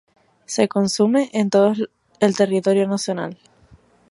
Se consume en todos el territorio nacional.